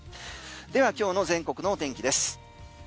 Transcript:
では今日の全国の天気です。